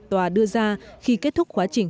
tòa đưa ra khi kết thúc quá trình